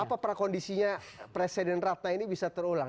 apa prakondisinya presiden ratna ini bisa terulang